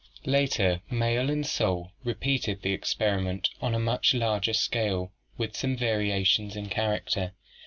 Later Mayer (and Soule) repeated the :xperiment on a much larger scale and with some variations in character.